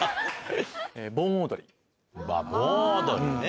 盆踊りね。